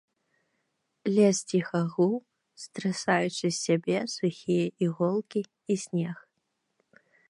Лес ціха гуў, страсаючы з сябе сухія іголкі і снег.